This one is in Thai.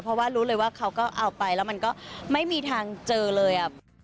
เพราะว่ารู้เลยว่าเขาก็เอาไปแล้วมันก็ไม่มีทางเจอเลย